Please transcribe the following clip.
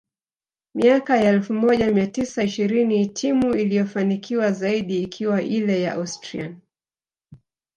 miaka ya elfu moja mia tisa ishirini timu iliyofanikiwa zaidi ikiwa ile ya Austrian